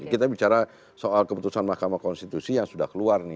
kita bicara soal keputusan mahkamah konstitusi yang sudah keluar nih